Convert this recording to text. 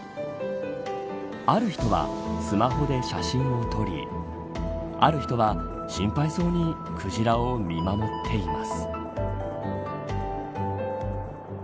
ある人は、スマホで写真を撮りある人は心配そうにクジラを見守っています。